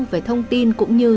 về thông tin cũng như